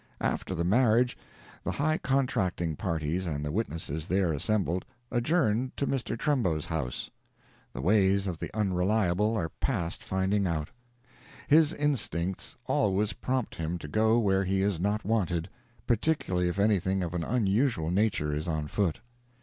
After the marriage, the high contracting parties and the witnesses there assembled, adjourned to Mr. Trumbo's house. The ways of the Unreliable are past finding out. His instincts always prompt him to go where he is not wanted, particularly if anything of an unusual nature is on foot.